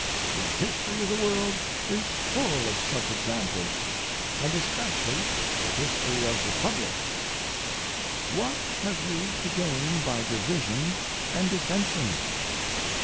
The history of the world is full of such examples, and especially the history of republics. What have you to gain by division and dissension?